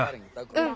うん。